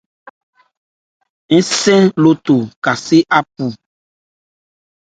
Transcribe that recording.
Npi njuka, Jrogobhye hɔn áyi lo jɛ́gɔn.